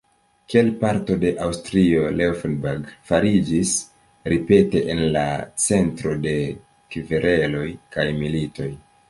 Kiel parto de Aŭstrio Laufenburg fariĝis ripete en la centro de kvereloj kaj militoj.